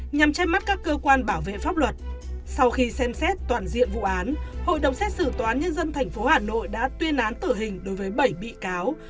nhằm che mắt các cơ quan bảo vệ pháp luật sau khi xem xét toàn diện vụ án hội đồng xét xử toán nhân dân tp hà nội đã tuyên án tử hình đối với bảy bị cáo